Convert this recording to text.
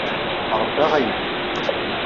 Ṛebbaɣ aydi.